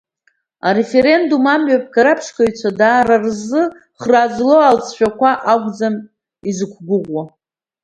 Ареферендум амҩаԥгара аԥшьгаҩцәа дара рзы хра злоу алҵшәа акәӡам изықәгәыӷуа.